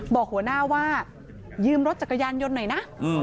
บอกหัวหน้าว่ายืมรถจักรยานยนต์หน่อยนะ